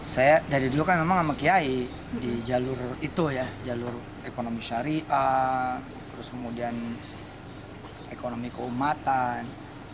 saya dari dulu kan memang sama kiai di jalur itu ya jalur ekonomi syariah terus kemudian ekonomi keumatan